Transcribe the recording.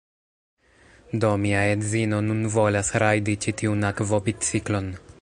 Do, mia edzino nun volas rajdi ĉi tiun akvobiciklon